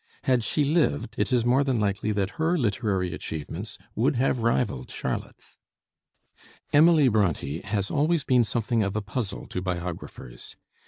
Had she lived, it is more than likely that her literary achievements would have rivaled Charlotte's. Emily Bronté has always been something of a puzzle to biographers.